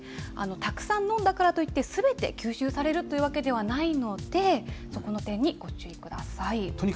たくさん飲んだからといって、すべて吸収されるというわけではないので、そこの点にご注意ください。